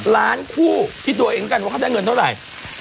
ล้านคู่ที่ตัวเองกันว่าเขาได้เงินเท่าไหร่